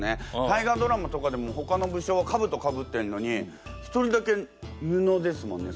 大河ドラマとかでもほかの武将はかぶとかぶってんのに一人だけ布ですもんね。